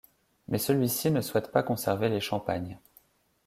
Mais celui-ci ne souhaite pas conserver les champagnes.